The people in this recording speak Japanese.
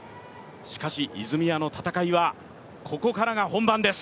しかし、泉谷の戦いはここからが本番です。